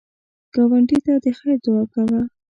ګاونډي ته د خیر دعا کوه